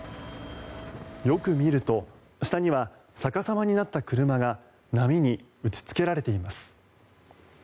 よく見ると下には逆さまになった車が波に打ちつけられています。